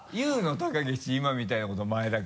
高岸今みたいなこと前田君。